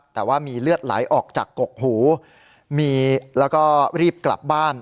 แต่ว่ามีเลือดไหลออกจากกกหูมีแล้วก็รีบกลับบ้าน